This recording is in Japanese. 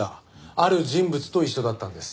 ある人物と一緒だったんです。